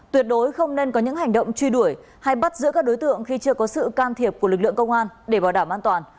tuyệt đối không nên có những hành động truy đuổi hay bắt giữ các đối tượng khi chưa có sự can thiệp của lực lượng công an để bảo đảm an toàn